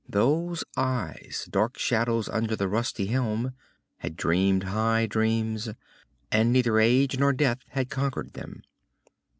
Those eyes, dark shadows under the rusty helm, had dreamed high dreams, and neither age nor death had conquered them.